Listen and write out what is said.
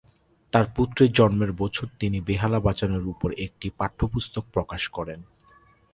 তার পুত্রের জন্মের বছর তিনি বেহালা বাজানোর উপর একটি পাঠ্যপুস্তক প্রকাশ করেন।